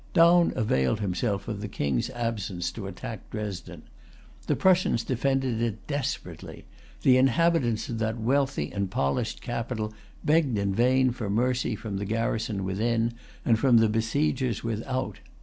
Daun availed himself of the King's absence to attack Dresden. The Prussians defended it desperately. The inhabitants of that wealthy and polished capital begged in vain for mercy from the garrison within, and from the besiegers without.